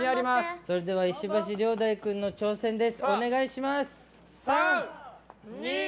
それでは石橋遼大君の挑戦です。